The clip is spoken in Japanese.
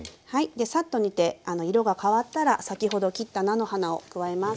でサッと煮て色が変わったら先ほど切った菜の花を加えます。